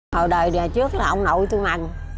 hồi đời trước là ông nội tôi mặn